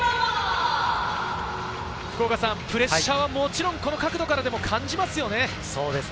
プレッシャーはもちろんこの角度からでも感じますよね。